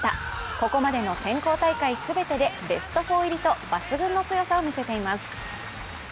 ここまでの選考大会全てでベスト４入りと抜群の強さを見せています。